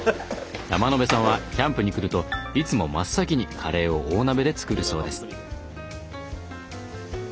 山野辺さんはキャンプに来るといつも真っ先にカレーを大鍋で作るそうです。